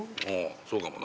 そうかもな。